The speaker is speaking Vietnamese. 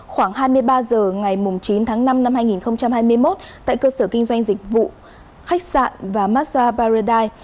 khoảng hai mươi ba h ngày chín tháng năm năm hai nghìn hai mươi một tại cơ sở kinh doanh dịch vụ khách sạn và massage paradise